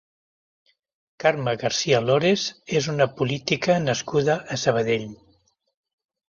Carme García Lores és una política nascuda a Sabadell.